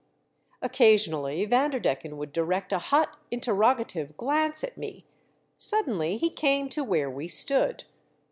Occasionally, Vanderdecken would direct a hot, interroga tive glance at me ; suddenly he came to where we stood.